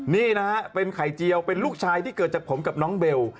นี่นะฮะเป็นไข่เจียวเป็นลูกชายที่เกิดจากผมกับน้องเบล